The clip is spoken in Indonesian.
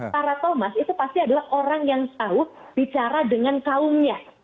para thomas itu pasti adalah orang yang tahu bicara dengan kaumnya